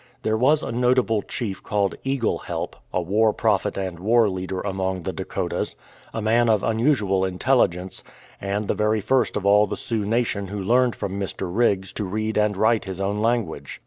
There was a notable chief called " Eagle Help," a war prophet and war leader among the Dakotas, a man of unusual intelligence, and the very first of all the Sioux nation who learned from Mr. Riggs to read and write his own language.